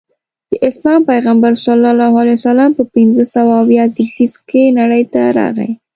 د اسلام پیغمبر ص په پنځه سوه اویا زیږدیز کې نړۍ ته راغی.